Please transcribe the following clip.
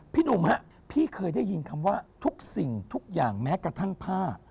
หนุ่มฮะพี่เคยได้ยินคำว่าทุกสิ่งทุกอย่างแม้กระทั่งผ้า